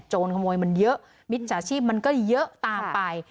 ขโมยมันเยอะมิจฉาชีพมันก็เยอะตามไป